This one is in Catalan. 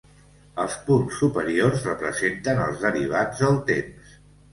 Els punts superiors representen els derivats del temps.